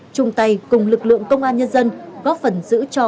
chúng ta sẽ đảm bảo